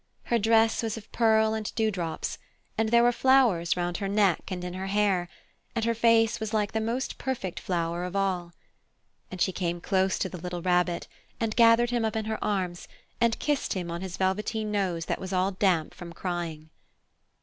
Her dress was of pearl and dew drops, and there were flowers round her neck and in her hair, and her face was like the most perfect flower of all. And she came close to the little Rabbit and gathered him up in her arms and kissed him on his velveteen nose that was all damp from crying.